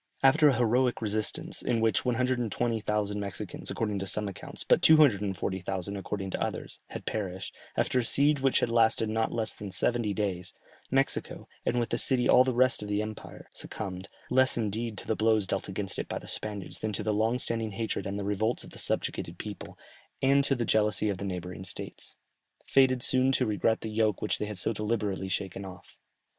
After a heroic resistance, in which 120,000 Mexicans according to some accounts, but 240,000 according to others, had perished, after a siege which had lasted not less than seventy days, Mexico, and with the city all the rest of the empire, succumbed, less indeed to the blows dealt against it by the Spaniards than to the long standing hatred and the revolts of the subjugated people, and to the jealousy of the neighbouring states, fated soon to regret the yoke which they had so deliberately shaken off.